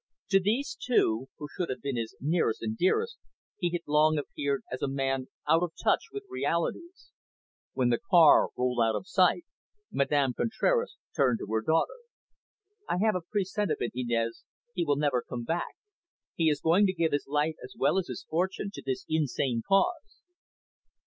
To these two, who should have been his nearest and dearest, he had long appeared as a man out of touch with realities. When the car rolled out of sight, Madame Contraras turned to her daughter. "I have a presentiment, Inez, he will never come back. He is going to give his life as well as his fortune to this insane cause."